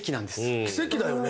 長嶋：奇跡だよね。